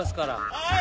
はい。